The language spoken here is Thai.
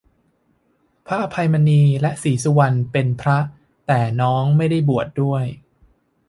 พระอภัยมณี และศรีสุวรรณ พี่เป็นพระ แต่น้องไม่ได้บวชด้วย